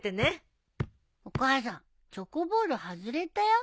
お母さんチョコボール外れたよ。